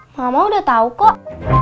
mama udah tahu kok